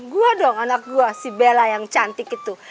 gue dong anak gue si bella yang cantik itu